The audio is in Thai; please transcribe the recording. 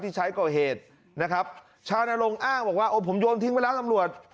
ที่ใช้ก่อเหตุนะครับชานลงอ้างบอกว่าโอ้ผมโยนทิ้งไว้แล้วตำรวจ